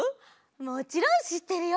もちろんしってるよ。